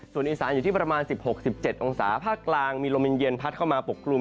ส่วนอีสานอยู่ที่ประมาณ๑๖๑๗องศาภาคกลางมีลมเย็นพัดเข้ามาปกกลุ่ม